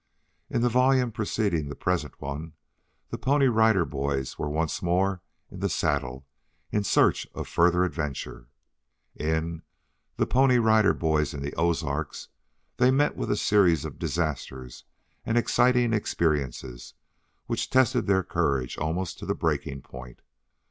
In the volume preceding the present one the Pony Rider Boys were once more in the saddle in search of further adventure. In "THE PONY RIDER BOYS IN THE OZARKS," they met with a series of disasters and exciting experiences which tested their courage almost to the breaking point.